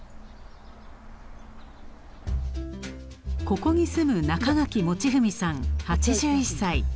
ここに住む中垣望史さん８１歳。